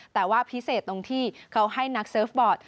แต่ว่าพิเศษตรงที่เขาให้นักเซิร์ฟบอร์ด